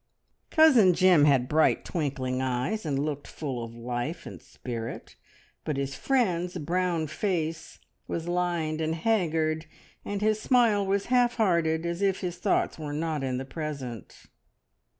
Cousin Jim had bright, twinkling eyes, and looked full of life and spirit; but his friend's brown face was lined and haggard, and his smile was half hearted, as if his thoughts were not in the present.